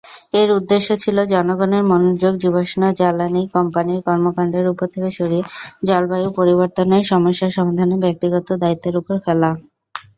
এর উদ্দেশ্য ছিল জনগণের মনোযোগ জীবাশ্ম জ্বালানি কোম্পানির কর্মকাণ্ডের উপর থেকে সরিয়ে জলবায়ু পরিবর্তন সমস্যা সমাধানে ব্যক্তিগত দায়িত্বের উপর ফেলা।